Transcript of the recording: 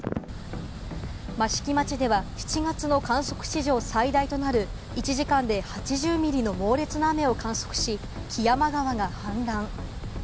益城町では７月の観測史上最大となる、１時間で８０ミリの猛烈な雨を観測し、木山川が氾濫。